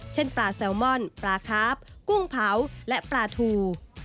เช่นปลาแซลมอนปลาคาฟกุ้งเผาและปลาทู